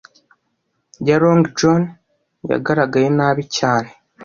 ya Long John yagaragaye nabi cyane.